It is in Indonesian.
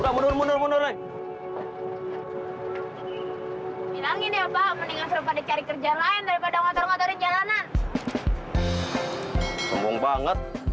udah mundur mundur mundur neng